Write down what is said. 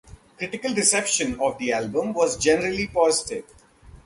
Critical reception of the album was generally positive.